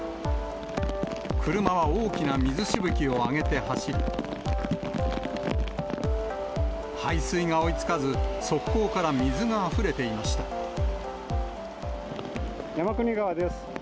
車は大きな水しぶきを上げて走り、排水が追いつかず、側溝から水が山国川です。